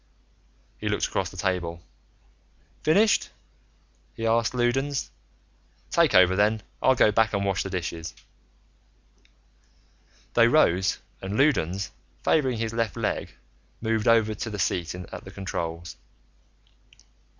He looked across the table. "Finished?" he asked Loudons. "Take over, then. I'll go back and wash the dishes." They rose, and Loudons, favoring his left leg, moved over to the seat at the controls.